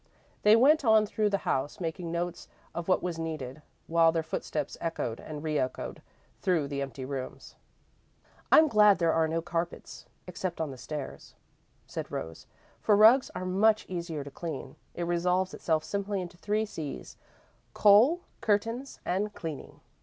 They went on through the house, making notes of what was needed, while their footsteps echoed and re echoed through the empty rooms. "I'm glad there are no carpets, except on the stairs," said Rose, "for rugs are much easier to clean. It resolves itself simply into three C's coal, curtains, and cleaning.